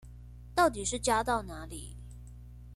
到底是加到哪裡